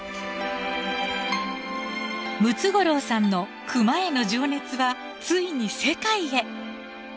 ムツゴロウさんの熊への情熱はついに世界へ。